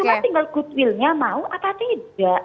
cuma tinggal goodwill nya mau apa tidak